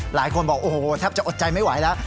หลายคนบอกโอ้โหแทบจะอดใจไม่ไหวแล้ว